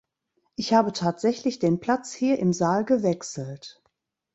Ich habe tatsächlich den Platz hier im Saal gewechselt.